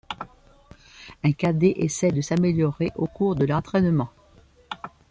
Un cadet essaye de s'améliorer au cours de l'entraînement.